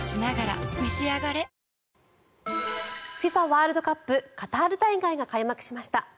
ワールドカップカタール大会が開幕しました。